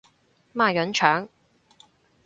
孖膶腸